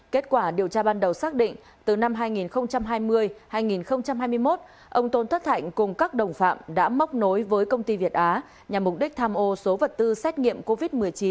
kết quả điều tra ban đầu xác định từ năm hai nghìn hai mươi hai nghìn hai mươi một ông tôn thất thạnh cùng các đồng phạm đã móc nối với công ty việt á nhằm mục đích tham ô số vật tư xét nghiệm covid một mươi chín